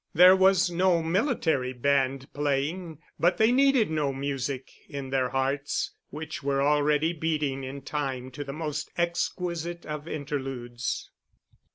There was no military band playing, but they needed no music in their hearts, which were already beating in time to the most exquisite of interludes.